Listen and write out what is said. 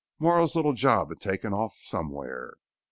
Morrow's little job had been taken off somewhere.